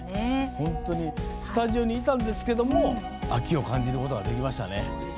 本当にスタジオにいたんですが秋を感じることができましたね。